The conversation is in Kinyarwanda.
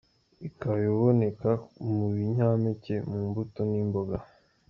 Ikaba iboneka mu binyampeke ,mu mbuto n’imboga.